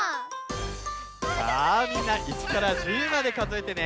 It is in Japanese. さあみんな１から１０までかぞえてね！